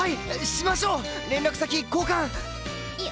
しましょう連絡先交換！よ